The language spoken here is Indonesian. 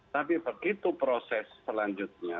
tapi begitu proses selanjutnya